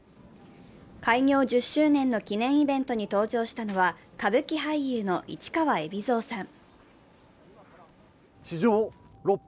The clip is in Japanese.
開業１０周年の記念イベントに登場したのは歌舞伎俳優の市川海老蔵さん。